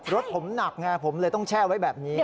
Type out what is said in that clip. รถผมหนักไงผมเลยต้องแช่ไว้แบบนี้